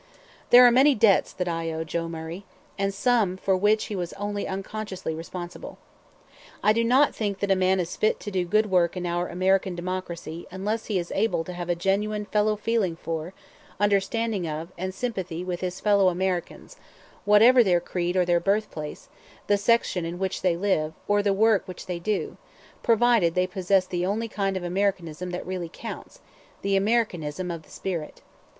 There are many debts that I owe Joe Murray, and some for which he was only unconsciously responsible. I do not think that a man is fit to do good work in our American democracy unless he is able to have a genuine fellow feeling for, understanding of, and sympathy with his fellow Americans, whatever their creed or their birthplace, the section in which they live, or the work which they do, provided they possess the only kind of Americanism that really counts, the Americanism of the spirit.